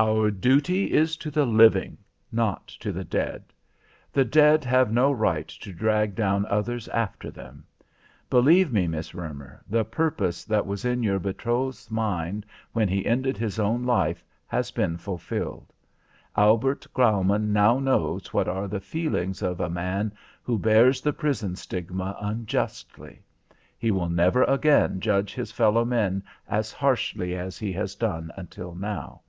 "Our duty is to the living, not to the dead. The dead have no right to drag down others after them. Believe me, Miss Roemer, the purpose that was in your betrothed's mind when he ended his own life, has been fulfilled. Albert Graumann knows now what are the feelings of a man who bears the prison stigma unjustly. He will never again judge his fellow men as harshly as he has done until now.